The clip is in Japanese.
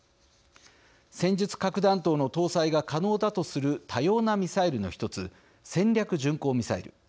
戦術核弾頭の搭載が可能だとする多様なミサイルの１つ戦略巡航ミサイル。